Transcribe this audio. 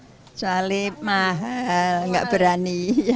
ya salib mahal nggak berani